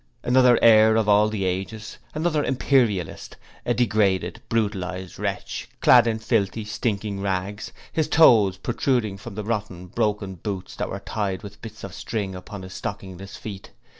Another Heir of all the ages another Imperialist a degraded, brutalized wretch, clad in filthy, stinking rags, his toes protruding from the rotten broken boots that were tied with bits of string upon his stockingless feet.